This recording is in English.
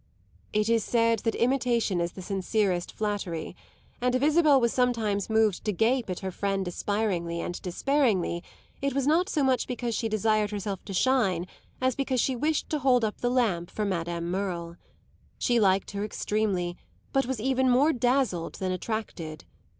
It is said that imitation is the sincerest flattery; and if Isabel was sometimes moved to gape at her friend aspiringly and despairingly it was not so much because she desired herself to shine as because she wished to hold up the lamp for Madame Merle. She liked her extremely, but was even more dazzled than attracted.